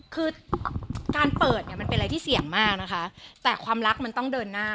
คือการเปิดเนี่ยมันเป็นอะไรที่เสี่ยงมากนะคะแต่ความรักมันต้องเดินหน้า